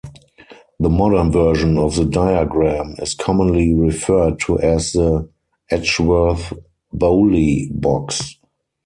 The modern version of the diagram is commonly referred to as the Edgeworth-Bowley box.